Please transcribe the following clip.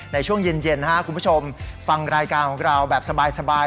ในช่วงเย็นคุณผู้ชมฟังรายการของเราแบบสบาย